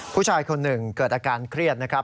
ผู้ชายคนหนึ่งเกิดอาการเครียดนะครับ